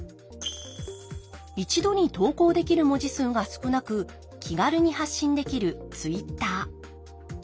一度に投稿できる文字数が少なく気軽に発信できるＴｗｉｔｔｅｒ。